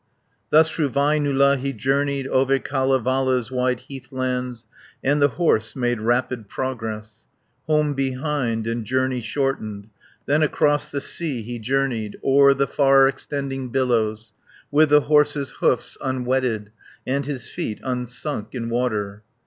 Thus through Väinölä he journeyed, Over Kalevala's wide heathlands, And the horse made rapid progress, Home behind, and journey shortened, Then across the sea he journeyed, O'er the far extending billows, 20 With the horse's hoofs unwetted, And his feet unsunk in water.